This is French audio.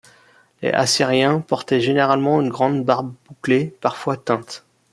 Les Assyriens portaient généralement une grande barbe bouclée, parfois teinte.